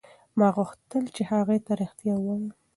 ما غوښتل چې هغې ته رښتیا ووایم.